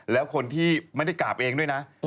แล้วคนที่ไม่ได้กราบเองด้วยนะ